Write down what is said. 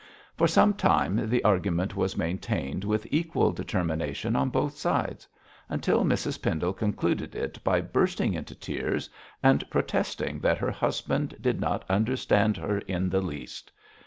For some time the argument was maintained with equal determination on both sides, until Mrs Pendle concluded it by bursting into tears and protesting that her husband did not understand her in the least.